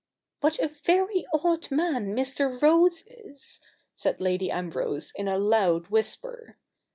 ' What a very odd man Mr. Rose is !' said Lady Ambrose in a loud whisper.